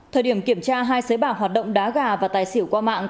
thời điểm kiểm tra hai sới bạc hoạt động đá gà và tài xỉu qua mạng